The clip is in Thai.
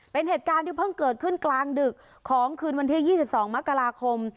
เป็นเหตุการณ์ที่เพิ่งเกิดขึ้นกลางดึกของคืนวันที่๒๒มกราคม